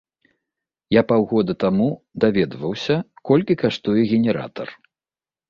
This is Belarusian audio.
Я паўгода таму даведваўся, колькі каштуе генератар.